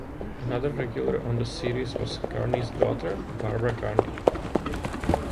Another regular on the series was Carney's daughter, Barbara Carney.